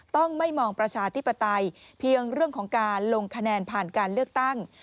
ต้องไม่มองประชาธิปไตยเพียงเรื่องของการลงคะแนนผ่านการเลือกตั้ง